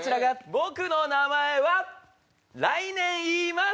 僕の名前は来年言います。